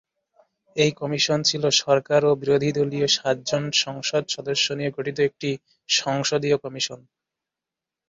এই কমিশন ছিল সরকার ও বিরোধীদলীয় সাতজন সংসদ সদস্য নিয়ে গঠিত একটি সংসদীয় কমিশন।